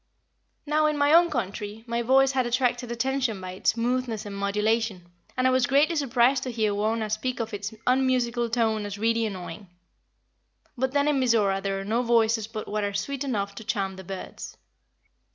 Now, in my own country, my voice had attracted attention by its smoothness and modulation, and I was greatly surprised to hear Wauna speak of its unmusical tone as really annoying. But then in Mizora there are no voices but what are sweet enough to charm the birds.